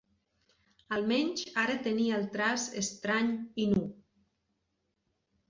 Almenys ara tenia el traç estrany i nu.